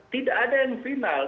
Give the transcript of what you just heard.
tidak ada yang final